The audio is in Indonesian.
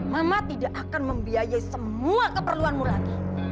mama tidak akan membiayai semua keperluanmu lagi